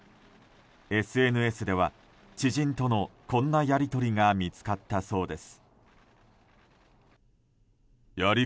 ＳＮＳでは知人とのこんなやり取りが見つかったそうです。